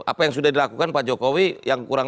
apa yang sudah dilakukan pak jokowi yang kurang